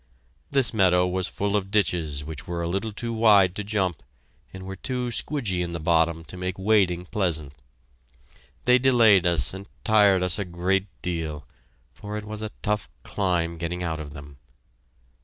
This meadow was full of ditches which were a little too wide to jump and were too skwudgy in the bottom to make wading pleasant. They delayed us and tired us a great deal, for it was a tough climb getting out of them.